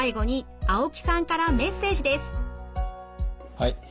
はい。